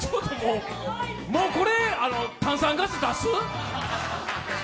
もうこれ、炭酸ガス出す？